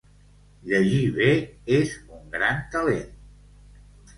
Llegir bé és un gran talent